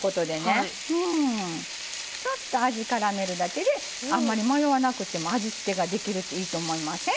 そうして、味をからめるだけであんまり迷わなくても味付けができるっていいと思いません？